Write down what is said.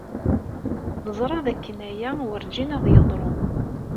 Neẓra dakken aya werǧin ad d-yeḍru.